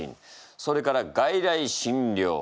それから外来診療。